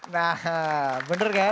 nah bener kan